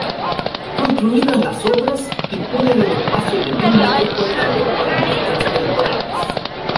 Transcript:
Concluidas las obras, dispone de un espacio de mil metros cuadrados para muestras temporales.